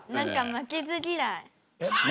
負けず嫌い。